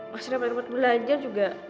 masih dapat belajar juga